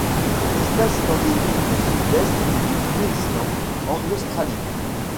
Cette espèce est endémique du Sud-Est du Queensland en Australie.